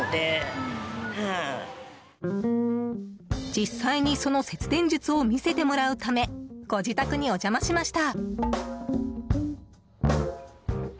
実際にその節電術を見せてもらうためご自宅にお邪魔しました。